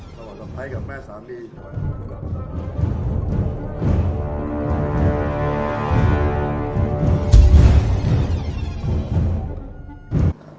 สวัสดีครับสวัสดีครับสวัสดีครับ